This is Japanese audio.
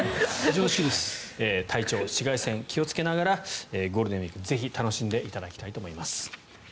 体調、紫外線気をつけながらゴールデンウィークぜひ、楽しんでいただきたいと思います。